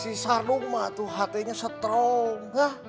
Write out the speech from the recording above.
si sardung mah tuh hatenya strong